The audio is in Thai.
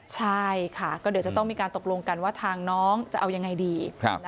ใช่ค่ะก็เดี๋ยวจะต้องมีการตกลงกันว่าทางน้องจะเอายังไงดี